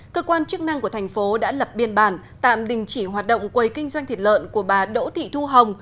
cơ quan chức năng của thành phố đã lập biên bản tạm đình chỉ hoạt động quầy kinh doanh thịt lợn của bà đỗ thị thu hồng